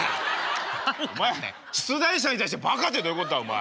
お前出題者に対してバカってどういうことだお前！